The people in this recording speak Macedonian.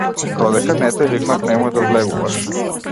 Додека не те викнат немој да влегуваш.